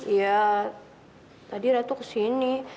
iya tadi ratu kesini